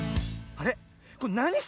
あれ？